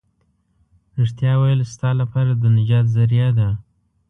رښتيا ويل ستا لپاره د نجات ذريعه ده.